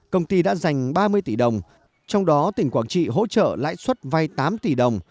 công ty đã dành ba mươi tỷ đồng trong đó tỉnh quảng trị hỗ trợ lãi suất vay tám tỷ đồng